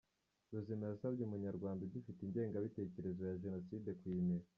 Ruzima yasabye Umunyarwanda ugifite ingengabitekerezo ya Jenoside kuyimira.